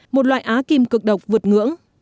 một loại á kim cực độc vượt ngưỡng